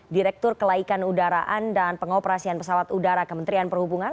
direktur kelaikan udaraan dan pengoperasian pesawat udara kementerian perhubungan